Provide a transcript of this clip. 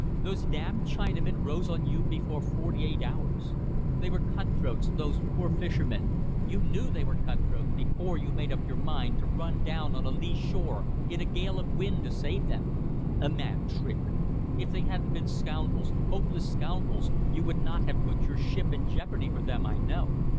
Those damned Chinamen rose on you before forty eight hours. They were cut throats, those poor fishermen. You knew they were cut throats before you made up your mind to run down on a lee shore in a gale of wind to save them. A mad trick! If they hadn't been scoundrels hopeless scoundrels you would not have put your ship in jeopardy for them, I know.